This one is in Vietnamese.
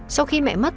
sau khi mẹ mất